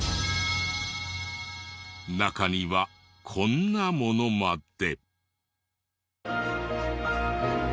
中にはこんなものまで。